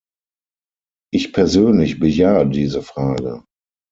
Ich persönlich bejahe diese Frage.